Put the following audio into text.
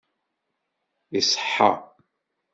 Iṣeḥḥa!